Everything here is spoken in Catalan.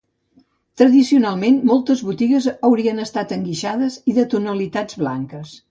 Tradicionalment, moltes botigues haurien estat enguixades i de tonalitats blanques.